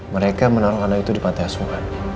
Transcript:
mereka menaruh anak itu di pantai asuhan